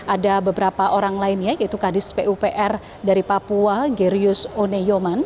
ada beberapa orang lainnya yaitu kadis pupr dari papua gerius oneyoman